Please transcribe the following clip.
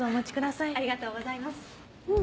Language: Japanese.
ありがとうございます。